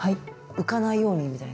浮かないようにみたいな？